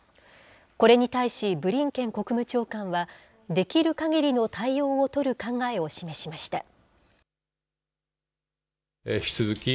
これに対し、ブリンケン国務長官は、できるかぎりの対応を取る考えを示しました。